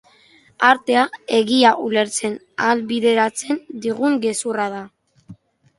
Artea egia ulertzen ahalbideratzen digun gezurra da.